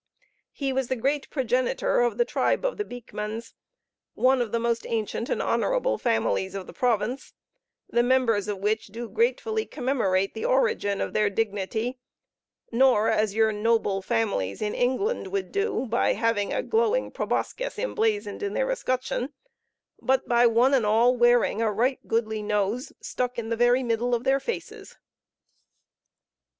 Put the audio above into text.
He was the great progenitor of the tribe of the Beekmans, one of the most ancient and honorable families of the province; the members of which do gratefully commemorate the origin of their dignity, nor as your noble families in England would do by having a glowing proboscis emblazoned in their escutcheon, but by one and all wearing a right goodly nose stuck in the very middle of their faces.